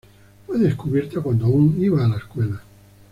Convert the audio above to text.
Fue descubierta cuando aún iba a la escuela.